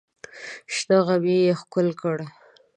شنه غمی یې ښکل کړ.